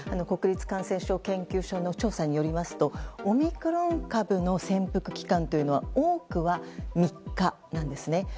国立感染症研究所の調査によりますとオミクロン株の潜伏期間というのは多くは３日なんです。